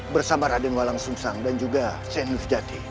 bersama raden walang sungsang dan juga chen lujjate